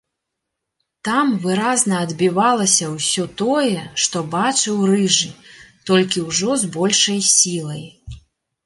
Там выразна адбівалася ўсё тое, што бачыў рыжы, толькі ўжо з большай сілай.